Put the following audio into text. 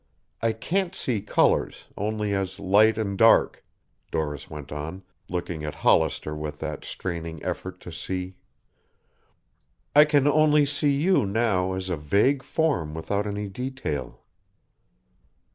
I can't see colors only as light and dark," Doris went on, looking at Hollister with that straining effort to see. "I can only see you now as a vague form without any detail."